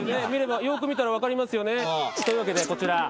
よく見たら分かりますよね。というわけでこちら。